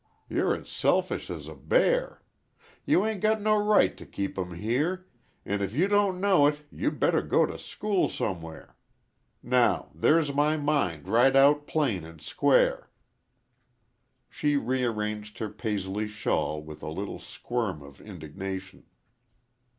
You're as selfish as a bear. You 'ain't got no right t' keep 'em here, an' if you don't know it you better go t' school somewhere. Now there's my mind right out plain an' square." She rearranged her Paisley shawl with a little squirm of indignation.